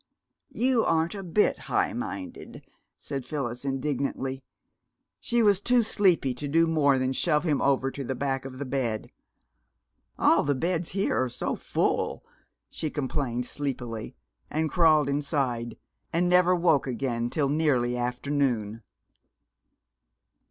"You aren't a bit high minded," said Phyllis indignantly. She was too sleepy to do more than shove him over to the back of the bed. "All the beds here are so full," she complained sleepily; and crawled inside, and never woke again till nearly afternoon.